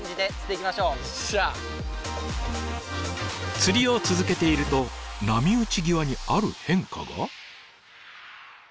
釣りを続けていると波打ち際にある変化が。